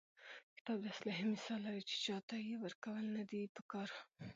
کتاب د اسلحې مثال لري، چي چا ته ئې ورکول نه دي په کار.